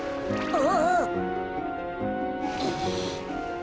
あ？